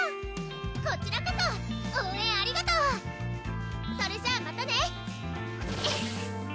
こちらこそ応援ありがとうそれじゃまたね！